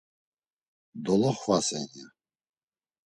Doloxvasen, ya.